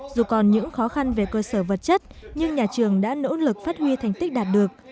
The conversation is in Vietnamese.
dù còn những khó khăn về cơ sở vật chất nhưng nhà trường đã nỗ lực phát huy thành tích đạt được